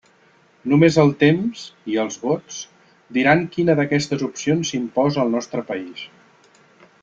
Només el temps —i els vots— diran quina d'aquestes opcions s'imposa al nostre país.